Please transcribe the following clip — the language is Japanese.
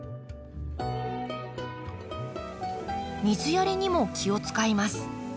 水やりにも気を遣います。